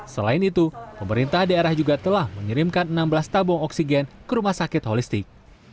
selain itu pemerintah daerah juga telah mengirimkan enam belas tabung oksigen ke rumah sakit holistik